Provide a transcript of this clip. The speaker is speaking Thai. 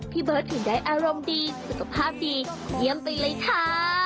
เบิร์ตถึงได้อารมณ์ดีสุขภาพดีเยี่ยมไปเลยค่ะ